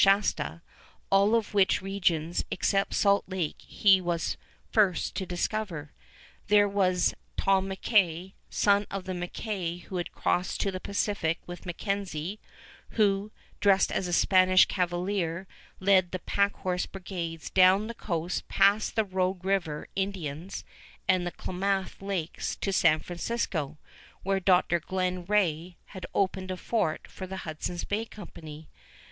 Shasta, all of which regions except Salt Lake he was first to discover. There was Tom McKay, son of the McKay who had crossed to the Pacific with MacKenzie, who, dressed as a Spanish cavalier, led the pack horse brigades down the coast past the Rogue River Indians and the Klamath Lakes to San Francisco, where Dr. Glen Rae had opened a fort for the Hudson's Bay Company.